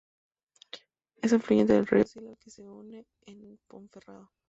Es afluente del río Sil, al que se une en Ponferrada.